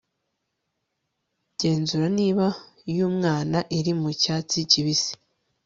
genzura niba y'umwana iri mu cyatsi kibisi